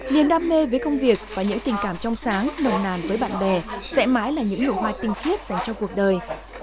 niềm đam mê với công việc và những tình cảm trong sáng nồng nàn với bạn bè sẽ mãi là những nồ hoa tinh khiết dành cho cuộc đời